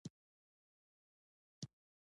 د افغانستان طبیعت له مختلفو رسوبونو څخه جوړ شوی دی.